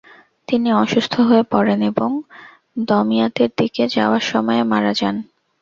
তিনি অসুস্থ হয়ে পড়েন এবং দমইয়াতের দিকে যাওয়ার সময়ে মারা যান।